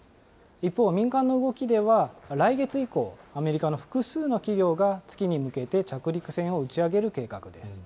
一方、民間の動きでは、来月以降、アメリカの複数の企業が月に向けて着陸船を打ち上げる計画です。